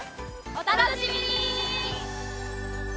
お楽しみに！